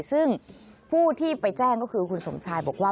ซึ่งผู้ที่ไปแจ้งก็คือคุณสมชายบอกว่า